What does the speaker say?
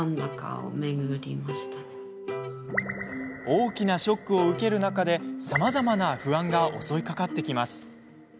大きなショックを受ける中でさまざまな不安が襲いかかってきます。